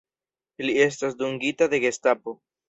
Li estas dungita de Gestapo.